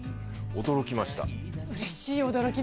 驚きました。